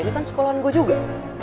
ini kan sekolahan gue juga